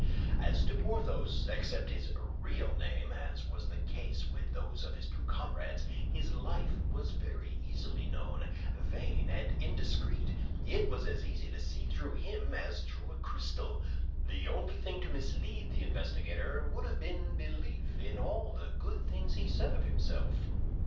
As to Porthos, except his real name (as was the case with those of his two comrades), his life was very easily known. Vain and indiscreet, it was as easy to see through him as through a crystal. The only thing to mislead the investigator would have been belief in all the good things he said of himself.